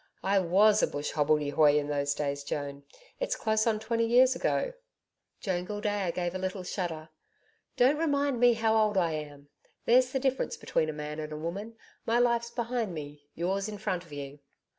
I WAS a bush hobbledehoy in those days, Joan. It's close on twenty years ago.' Joan Gildea gave a little shudder. 'Don't remind me how old I am. There's the difference between a man and a woman. My life's behind me: yours in front of you.'